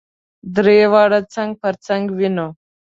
درې واړه څنګ په څنګ وینو.